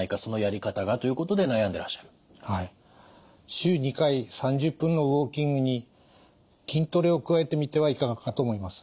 週２回３０分のウォーキングに筋トレを加えてみてはいかがかと思います。